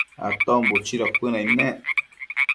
Aton buchido cuënaid nec